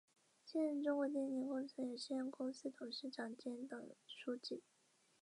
现任中国电力工程有限公司董事长兼党书记。